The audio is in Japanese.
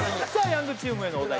ヤングチームへのお題